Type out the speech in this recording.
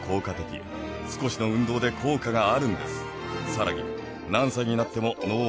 さらに。